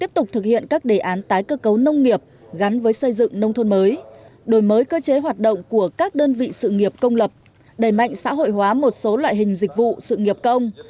tiếp tục thực hiện các đề án tái cơ cấu nông nghiệp gắn với xây dựng nông thôn mới đổi mới cơ chế hoạt động của các đơn vị sự nghiệp công lập đẩy mạnh xã hội hóa một số loại hình dịch vụ sự nghiệp công